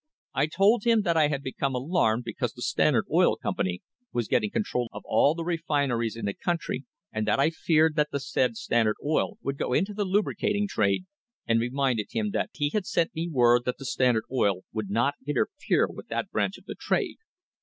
I told him that I had become alarmed because the Standard Oil Company was getting control of all the refineries in the country, and that I feared that the said Standard Oil Company would go into the lubricating trade, and reminded him that he had sent me word that the Standard Oil Company would not interfere with that branch of the trade.